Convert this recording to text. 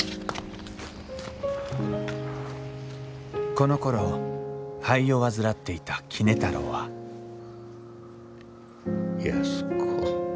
このころ肺を患っていた杵太郎は安子。